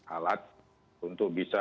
alat untuk bisa